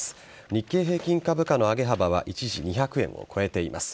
日経平均株価の上げ幅は一時２００円を超えています。